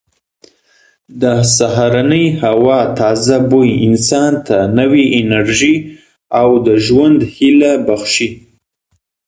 د سهارنۍ هوا تازه بوی انسان ته نوې انرژي او د ژوند هیله بښي.